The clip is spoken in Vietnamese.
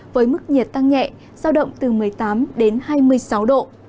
với mức nhiệt tăng nhẹ giao động từ một mươi tám đến hai mươi sáu độ